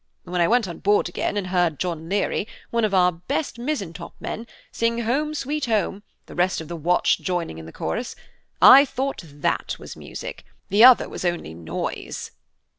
When I went on board again and heard John Leary, one of our best mizzen top men, sing Home, sweet home, the rest of the watch joining in the chorus, I thought that was music–the other was only noise."